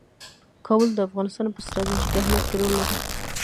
کابل د افغانستان په ستراتیژیک اهمیت کې رول لري.